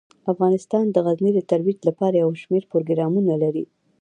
افغانستان د غزني د ترویج لپاره یو شمیر پروګرامونه لري.